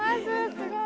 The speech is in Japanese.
すごい。